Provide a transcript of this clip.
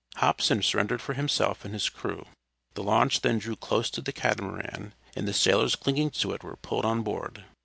Hobson surrendered for himself and his crew. The launch then drew close to the catamaran, and the sailors clinging to it were pulled on board.